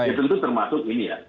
itu termasuk ini ya